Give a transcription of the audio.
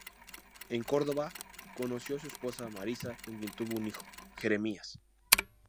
En Córdoba conoció a su esposa Marisa con quien tuvo un hijo, Jeremías.